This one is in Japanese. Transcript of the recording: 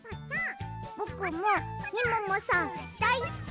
「ぼくもみももさんだいすき！」